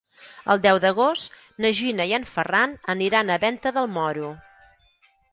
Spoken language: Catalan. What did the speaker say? El deu d'agost na Gina i en Ferran aniran a Venta del Moro.